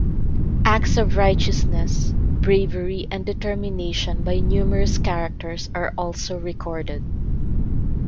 Acts of righteousness, bravery and determination by numerous characters are also recorded.